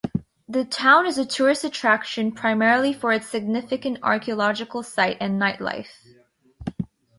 The town is a tourist attraction, primarily for its significant archaeological site and nightlife.